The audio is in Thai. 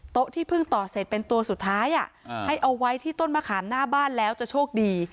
ที่เพิ่งต่อเสร็จเป็นตัวสุดท้ายให้เอาไว้ที่ต้นมะขามหน้าบ้านแล้วจะโชคดี